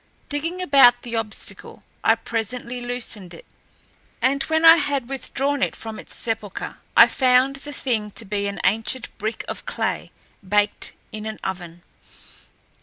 Digging about the obstacle, I presently loosened it, and when I had withdrawn it from its sepulcher I found the thing to be an ancient brick of clay, baked in an oven.